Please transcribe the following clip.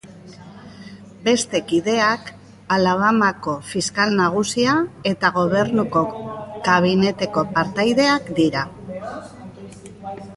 Beste kideak Alabamako Fiskal Nagusia eta gobernuko kabineteko partaideak dira.